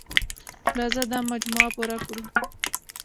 راځه دا مجموعه پوره کړو.